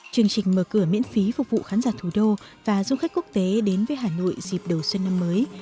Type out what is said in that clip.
chương trình mở cửa miễn phí phục vụ khán giả thủ đô và du khách quốc tế đến với hà nội dịp đầu xuân năm mới